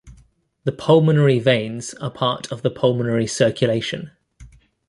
The pulmonary veins are part of the pulmonary circulation.